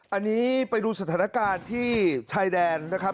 อันนี้ไปดูสถานการณ์ที่ชายแดนนะครับ